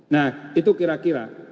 nah itu kira kira